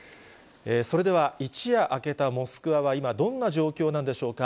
それでは一夜明けたモスクワは今、どんな状況なんでしょうか。